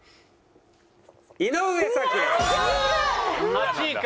８位か。